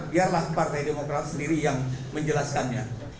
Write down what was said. biarlah partai demokrat sendiri yang menjelaskannya